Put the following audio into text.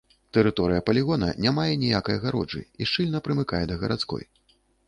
Тэрыторыя палігона не мае ніякай агароджы і шчыльна прымыкае да гарадской.